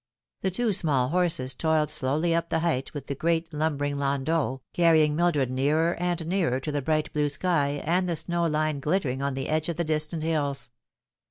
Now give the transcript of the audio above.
The two small horses toiled slowly up the height with the great lumbering landau, carrying Mildred nearer and nearer to the bright blue sky and the snow line glit tering on the edge of the distant hills.